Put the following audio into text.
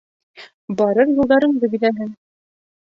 Барыр юлдарыңды биҙәһен.